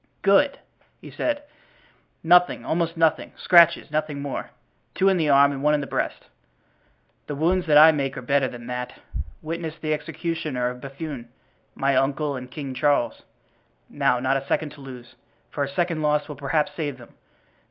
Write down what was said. "Good!" he said, "nothing, almost nothing—scratches, nothing more; two in the arm and one in the breast. The wounds that I make are better than that—witness the executioner of Bethune, my uncle and King Charles. Now, not a second to lose, for a second lost will perhaps save them.